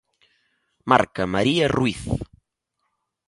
Marca María Ruiz.